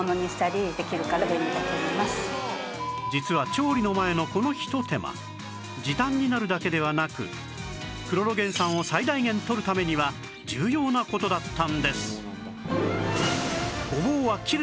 実は調理の前のこのひと手間時短になるだけではなくクロロゲン酸を最大限とるためには重要な事だったんです